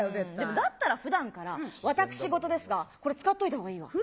だったらふだんから、私事ですがこれ使っておいたほうがいいわ。